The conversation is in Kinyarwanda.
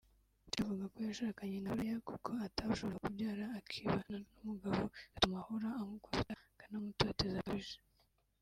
Chacha avuga ko yashakanye na Buraya kuko atashoboraga kubyara akibana n’umugabo bigatuma ahora amukubita akanamutoteza bikabije